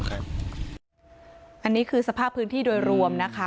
อันนี้คือสภาพพื้นที่โดยรวมนะคะ